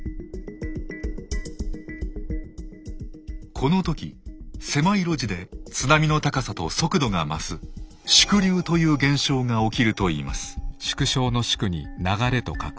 この時狭い路地で津波の高さと速度が増す縮流という現象が起きるといいます。